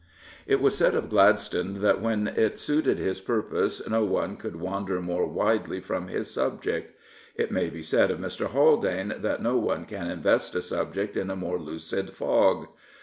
It was said of Gladstone that when it suited his purpose no one could wander more widely from his subject. It may be said of Mr. Haldane that no one can invest a subject in a more lucid fog.